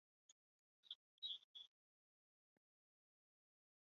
لا أريد البكاء أمام توم.